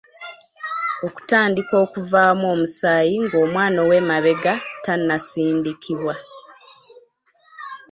Okutandika okuvaamu omusaayi ng'omwana ow'emabega tannasindikibwa.